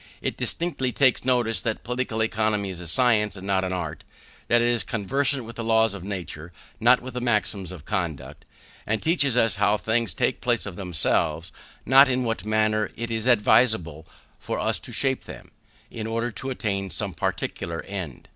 It distinctly takes notice that Political Economy is a science and not an art; that it is conversant with laws of nature, not with maxims of conduct, and teaches us how things take place of themselves, not in what manner it is advisable for us to shape them, in order to attain some particular end.